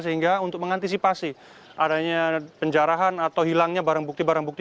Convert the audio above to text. sehingga untuk mengantisipasi adanya penjarahan atau hilangnya barang bukti barang bukti